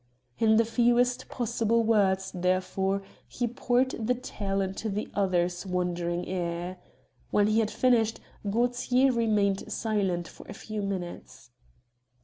In the fewest possible words, therefore, he poured the tale into the other's wondering ear. When he had finished, Gaultier remained silent a few minutes.